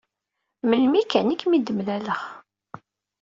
Melmi kan i kem-id-mlaleɣ.